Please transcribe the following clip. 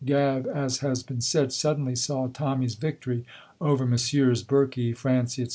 Gav, as has been said, suddenly saw Tommy's victory over Messrs. Birkie, Francie, etc.